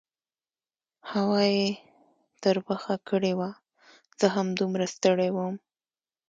هوا یې تربخه کړې وه، زه هم دومره ستړی وم.